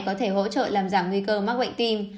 có thể hỗ trợ làm giảm nguy cơ mắc bệnh tim